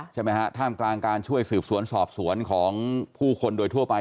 ใช่ไหมฮะท่ามกลางการช่วยสืบสวนสอบสวนของผู้คนโดยทั่วไป